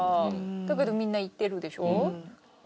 だけどみんな行ってるでしょ。